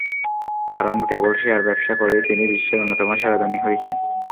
কারণ, কেবল শেয়ার ব্যবসা করেই তিনি বিশ্বের অন্যতম সেরা ধনী হয়েছেন।